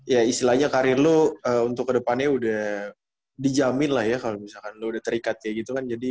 ya istilahnya karir lo untuk kedepannya udah dijamin lah ya kalau misalkan lo udah terikat kayak gitu kan